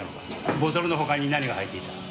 ボトルの他に何が入っていた？